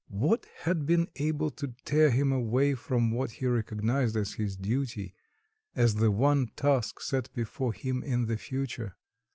What had been able to tear him away from what he recognised as his duty as the one task set before him in the future?